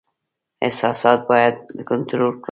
احساسات باید کنټرول کړم.